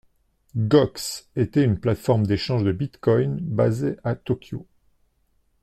Gox était une plateforme d'échange de bitcoins basée à Tokyo.